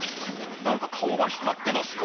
何か顔が光ってますよ